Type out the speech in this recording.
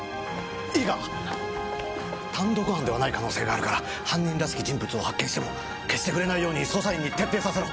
いいか単独犯ではない可能性があるから犯人らしき人物を発見しても決してふれないように捜査員に徹底させろ！